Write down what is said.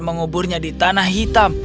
menguburnya di tanah hitam